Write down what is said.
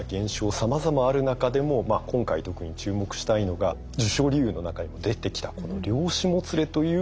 さまざまある中でも今回特に注目したいのが受賞理由の中にも出てきた「量子もつれ」という不思議な状態があるんです。